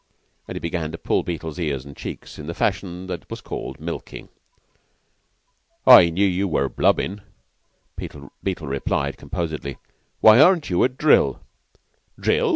And he began to pull Beetle's ears and checks, in the fashion that was called "milking." "I knew you were blubbin'," Beetle replied, composedly. "Why aren't you at drill?" "Drill!